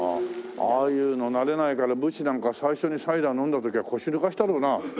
ああいうの慣れないから武士なんか最初にサイダー飲んだ時は腰抜かしたろうな。